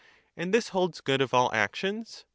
And this holds good of all actions?